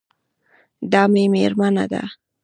دا مې میرمن ده